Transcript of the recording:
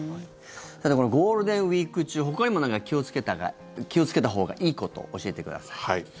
ゴールデンウィーク中ほかにも何か気をつけたほうがいいこと教えてください。